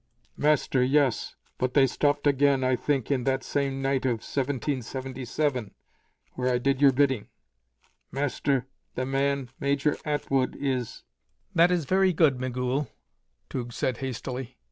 "Master, yes. But they stopped again, I think, in that same night of 1777, where I did your bidding. Master, the man Major Atwood is " "That is very good, Migul," Tugh said hastily.